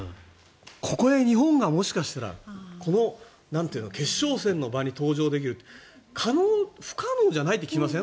ここで日本がもしかしたらこの決勝戦の場に登場できるって不可能じゃないって気がしません？